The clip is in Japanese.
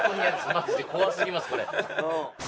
マジで怖すぎますこれ。